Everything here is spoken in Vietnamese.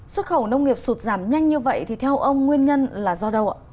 xuất khẩu nông nghiệp sụt giảm nhanh như vậy thì theo ông nguyên nhân là do đâu ạ